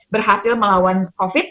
berhasil melawan covid